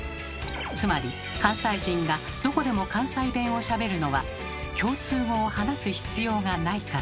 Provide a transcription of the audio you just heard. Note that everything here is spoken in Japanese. つまり関西人がどこでも関西弁をしゃべるのは共通語を話す必要がないから。